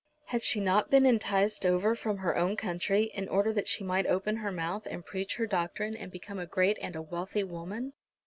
Had she not been enticed over from her own country in order that she might open her mouth, and preach her doctrine, and become a great and a wealthy woman?